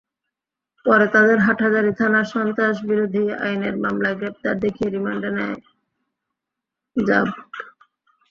পরে তাঁদের হাটহাজারী থানার সন্ত্রাসবিরোধী আইনের মামলায় গ্রেপ্তার দেখিয়ে রিমান্ডে নেয় র্যাব।